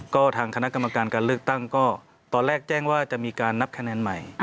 ก็ทางคณะกรรมการการเลือกตั้งก็ตอนแรกแจ้งว่าจะมีการนับคะแนนใหม่